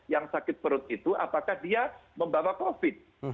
yang sakit perut itu apakah dia membawa covid